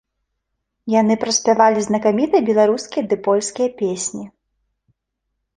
Яны праспявалі знакамітыя беларускія ды польскія песні.